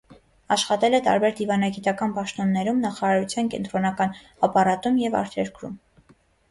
Աշխատել է տարբեր դիվանագիտական պաշտոններում նախարարության կենտրոնական ապարատում և արտերկրում։